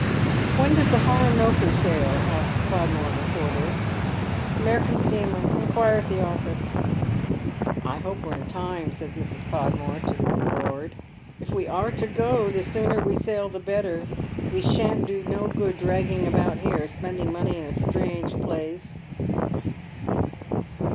" When does the Horonoker sail ?" asks Podmore of a porter. " 'Mexican steamer. Inquire at the office." "I hope we're in time," says Mrs. Podmore to her lord. " If we are to go, the sooner we sail the better. We shan't do no good dragging about here, spending money in a strange place."